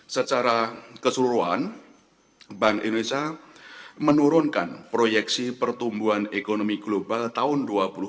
secara keseluruhan bank indonesia menurunkan proyeksi pertumbuhan ekonomi global tahun dua ribu dua puluh dua